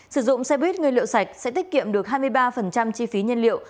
sử dụng xe buýt nguyên liệu sạch sẽ tiết kiệm được hai mươi ba chi phí nhân liệu